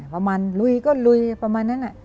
ประมาณลุยก็ลุยประมาณนั้น